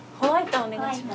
お願いします。